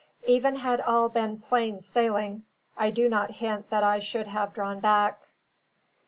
Even had all been plain sailing, I do not hint that I should have drawn back.